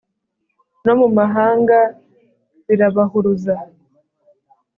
No mu mahanga birabahuruza